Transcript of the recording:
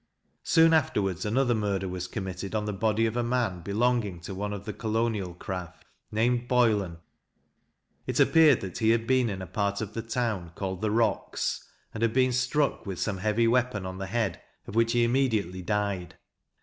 Soon afterwards, another murder was committed on the body of a man belonging to one of the colonial craft, named Boylan. It appeared that he had been in a part of the town, called "The Rocks," and had been struck with some heavy weapon on the head, of which he immediately died.